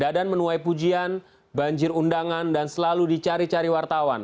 dadan menuai pujian banjir undangan dan selalu dicari cari wartawan